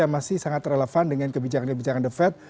masih sangat relevan dengan kebijakan kebijakan the fed